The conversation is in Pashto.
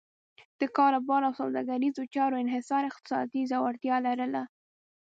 د کاروبار او سوداګریزو چارو انحصار اقتصادي ځوړتیا لرله.